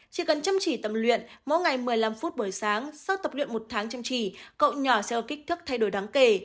chỉ cần chăm chỉ tập luyện mỗi ngày một mươi năm phút buổi sáng sau tập luyện một tháng chăm chỉ cậu nhỏ xeo kích thước thay đổi đáng kể